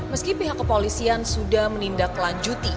meski pihak kepolisian sudah menindaklanjuti